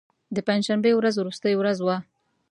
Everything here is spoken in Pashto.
د پنج شنبې ورځ وروستۍ ورځ وه.